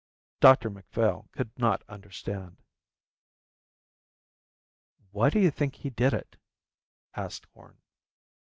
Dr Macphail could not understand. "Why do you think he did it?" asked Horn.